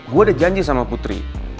gue ada janji sama putri